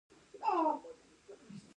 آیا دا د راتلونکي لپاره خطر نه دی؟